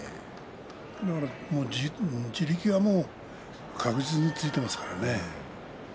だから地力はもう確実についていますからね。